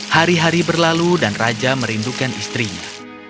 hari hari berlalu dan raja merindukan istrinya